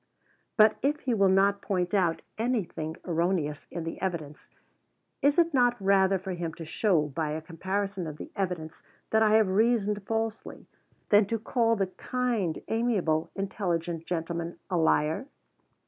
But if he will not point out anything erroneous in the evidence, is it not rather for him to show by a comparison of the evidence that I have reasoned falsely, than to call the "kind, amiable, intelligent gentleman" a liar?